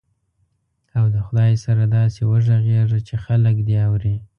او د خدای سره داسې وغږېږه چې خلک دې اوري.